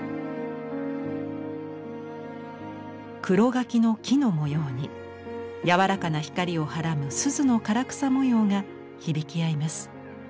黒柿の木の模様に柔らかな光をはらむ錫の唐草模様が響き合います。